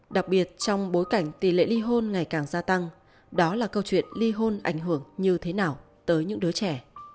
đặc biệt trong bối cảnh tỷ lệ ly hôn ngày càng gia tăng đó là câu chuyện ly hôn ảnh hưởng như thế nào tới những đứa trẻ